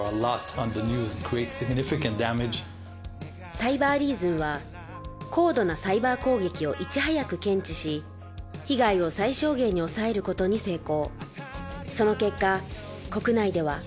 サイバーリーズンは高度なサイバー攻撃をいち早く検知し被害を最小限に抑えることに成功。